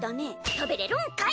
食べられるんかい！